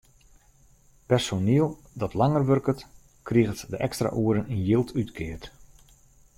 Personiel dat langer wurket, kriget de ekstra oeren yn jild útkeard.